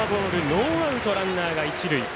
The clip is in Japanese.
ノーアウトでランナー、一塁。